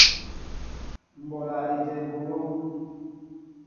M ɓola éjem eɓoló.